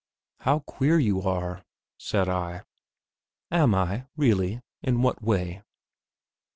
"How queer you are," said I. "Am I, really; in what way?"